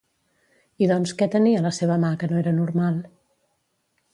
I doncs, què tenia la seva mà que no era normal?